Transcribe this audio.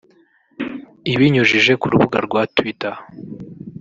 Ibinyujije ku rubuga rwa Twitter